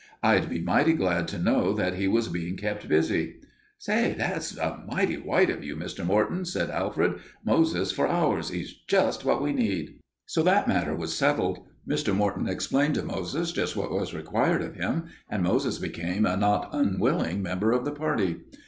I'd be mighty glad to know that he was being kept busy." "Say, that's mighty white of you, Mr. Morton," said Alfred. "Moses for ours. He's just what we need." So that matter was settled. Mr. Morton explained to Moses just what was required of him, and Moses became a not unwilling member of the party.